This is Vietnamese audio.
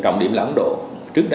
trọng điểm là ấn độ